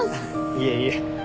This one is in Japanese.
いえいえ。